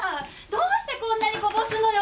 どうしてこんなにこぼすのよ！